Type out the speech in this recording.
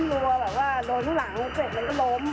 สวัสดีครับ